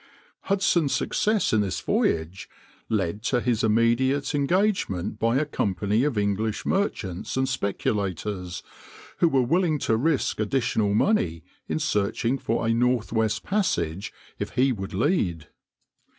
Hudson's success in this voyage led to his immediate engagement by a company of English merchants and speculators, who were willing to risk additional money in searching for a northwest passage if he would lead.